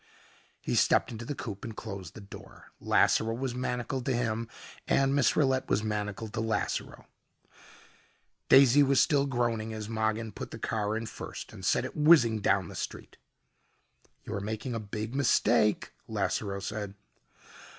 He stepped into the coupe and closed the door. Lasseroe was manacled to him and Miss Rillette was manacled to Lasseroe. Daisy was still groaning as Mogin put the car in first and sent it whizzing down the street. "You're making a big mistake," Lasseroe said.